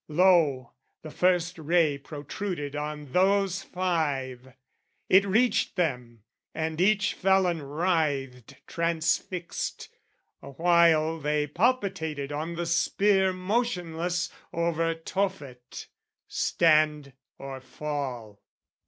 Lo, the first ray protruded on those five! It reached them, and each felon writhed transfixed. Awhile they palpitated on the spear Motionless over Tophet: stand or fall?